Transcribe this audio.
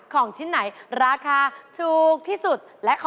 ของชิ้นไหนราคาถูกที่สุด